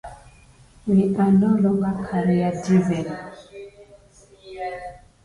Segments of memory can be shared between virtual machines.